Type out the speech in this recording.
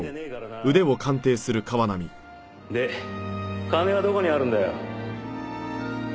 で金はどこにあるんだよ？